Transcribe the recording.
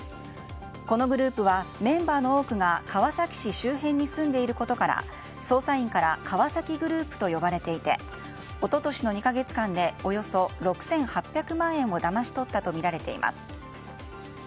このグループはメンバーの多くが川崎市周辺に住んでいることから捜査員から川崎グループと呼ばれていて一昨年の２か月間でおよそ６８００万円をだまし取ったとみられています。